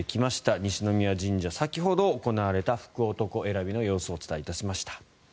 西宮神社、先ほど行われた福男選びの様子をお伝えしました。